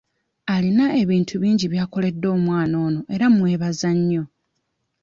Alina ebintu bingi by'akoledde omwana ono era mmwebaza nnyo.